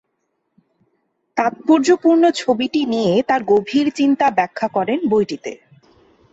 তাৎপর্যপূর্ণ ছবিটি নিয়ে তার গভীর চিন্তা ব্যাখ্যা করেন বইটিতে।